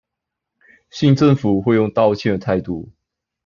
新政府會用道歉的態度